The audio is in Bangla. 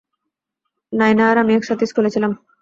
নায়না আর আমি এক সাথে স্কুলে ছিলাম।